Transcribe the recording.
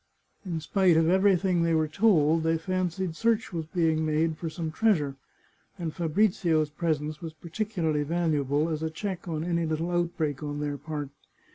In spite of everything they were told, they fancied search was being made for some treasure, and Fabrizio's presence was particularly valuable as a check on any little outbreak on their part.